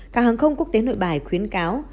cảng hàng không quốc tế nội bài khuyến cáo